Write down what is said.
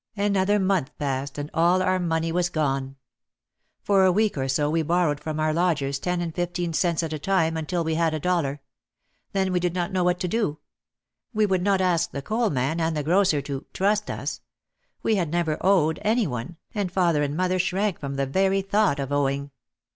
Another month passed and all our money was gone. For a week or so we borrowed from our lodgers ten and fifteen cents at a time until we had a dollar. Then we did not know what to do. We would not ask the coal man and the grocer to "trust" us. We had never owed any one, and father and mother shrank from the very thought of owing.